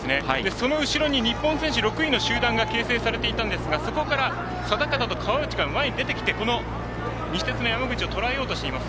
その後ろに日本選手６位の集団が形成されていたんですがそこから定方、川内が前に出てきて、この西鉄の山口をとらえようとしています。